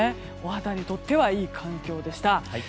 お肌にとってはいい環境でした。